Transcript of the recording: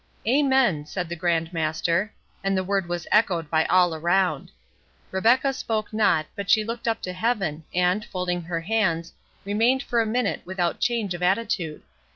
"Amen!" said the Grand Master; and the word was echoed by all around. Rebecca spoke not, but she looked up to heaven, and, folding her hands, remained for a minute without change of attitude.